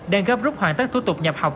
đang góp rút hoàn tất thủ tục nhập học